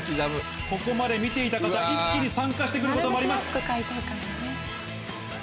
ここまで見ていた方一気に参加して来ることあります。